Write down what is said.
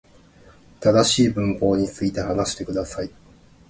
正しい文法に基づいて、話してください。